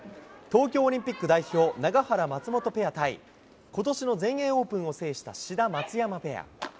東京オリンピック代表、永原・松本ペア対、ことしの全英オープンを制した志田・松山ペア。